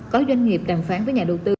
có doanh nghiệp đàm phán với nhà đầu tư